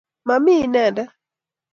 Ma mi ineendet.